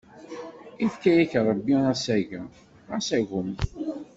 Ifka-yak Ṛebbi asagem, xas agem!